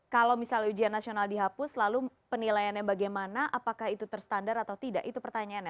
kalau misalnya ujian nasional dihapus lalu penilaiannya bagaimana apakah itu terstandar atau tidak itu pertanyaannya